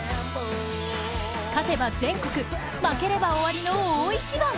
勝てば全国、負ければ終わりの大一番。